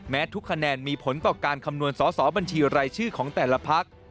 ทุกคะแนนมีผลต่อการคำนวณสอสอบัญชีรายชื่อของแต่ละพัก